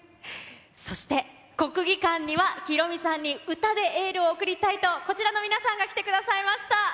そして、国技館にはヒロミさんに歌でエールを送りたいと、こちらの皆さんが来てくださいました。